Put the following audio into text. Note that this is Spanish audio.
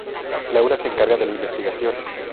Laura se encarga de la investigación.